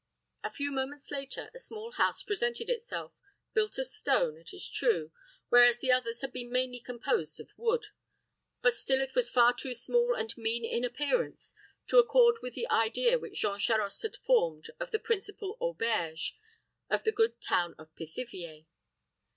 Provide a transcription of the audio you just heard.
A few moments after, a small house presented itself, built of stone, it is true, whereas the others had been mainly composed of wood; but still it was far too small and mean in appearance to accord with the idea which Jean Charost had formed of the principal auberge of the good town of Pithiviers.